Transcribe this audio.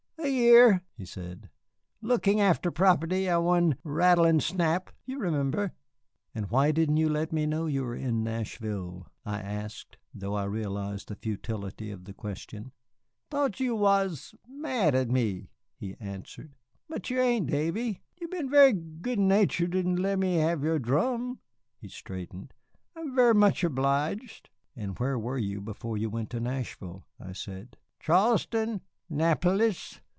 "A year," he said, "lookin' after property I won rattle an' shnap you remember?" "And why didn't you let me know you were in Nashville?" I asked, though I realized the futility of the question. "Thought you was mad at me," he answered, "but you ain't, Davy. You've been very good natured t' let me have your drum." He straightened. "I am ver' much obliged." "And where were you before you went to Nashville?" I said. "Charleston, 'Napolis...